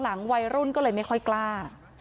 วัยรุ่นก็เลยไม่ค่อยกล้า